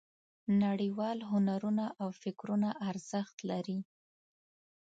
نړیوال هنرونه او فکرونه ارزښت لري.